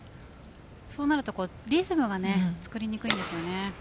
そうなるとリズムが作りにくいんですよね。